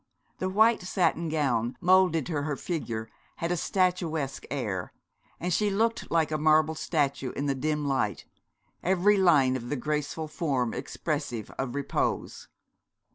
The white satin gown, moulded to her figure, had a statuesque air, and she looked like a marble statue in the dim light, every line of the graceful form expressive of repose.